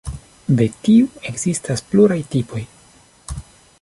De tiu ekzistas pluraj tipoj.